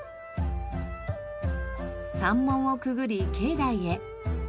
山門をくぐり境内へ。